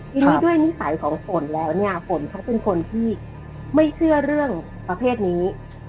ทีนี้ด้วยนิสัยของฝนแล้วเนี่ยฝนเขาเป็นคนที่ไม่เชื่อเรื่องประเภทนี้